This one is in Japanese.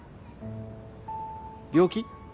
病気？